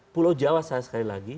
pulau jawa saya sekali lagi